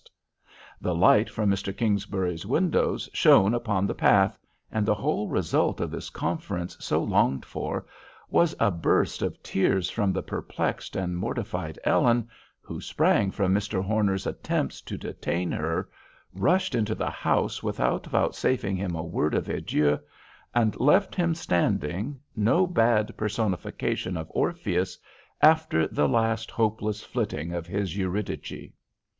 The light from Mr. Kingsbury's windows shone upon the path, and the whole result of this conference so longed for, was a burst of tears from the perplexed and mortified Ellen, who sprang from Mr. Horner's attempts to detain her, rushed into the house without vouchsafing him a word of adieu, and left him standing, no bad personification of Orpheus, after the last hopeless flitting of his Eurydice.